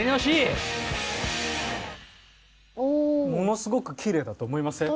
ものすごくきれいだと思いません？